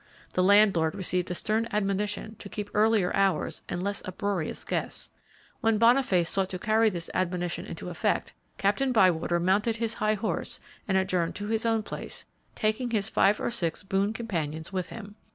The landlord received a stern admonition to keep earlier hours and less uproarious guests. When Boniface sought to carry this admonition into effect Captain Bywater mounted his high horse, and adjourned to his own place, taking his five or six boon companions with him.